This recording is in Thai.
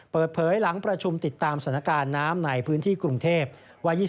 เปิดเผยหลังประชุมติดตามสถานการณ์น้ำในพื้นที่กรุงเทพ